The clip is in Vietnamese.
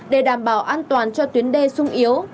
để đảm bảo an toàn cho tuyến đê sung yếu